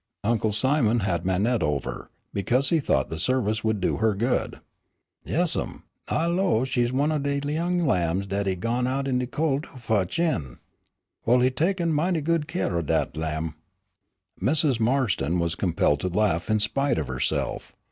Uncle Simon had Manette over, because he thought the service would do her good." "Yes'm, I 'low she's one o' de young lambs dat he gone out in de col' to fotch in. Well, he tek'n' moughty good keer o' dat lamb." Mrs. Marston was compelled to laugh in spite of herself.